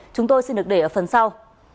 chúng tôi xin được để ở phần sau